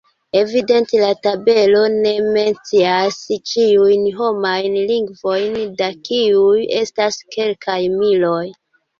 Evidente la tabelo ne mencias ĉiujn homajn lingvojn, da kiuj estas kelkaj miloj.